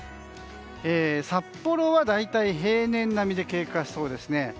札幌は大体、平年並みで経過しそうですね。